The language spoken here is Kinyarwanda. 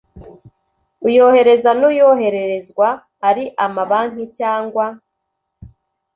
uyohereza n uyohererezwa ari amabanki cyangwa